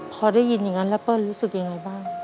พอได้ยินอย่างนั้นแล้วเปิ้ลรู้สึกยังไงบ้าง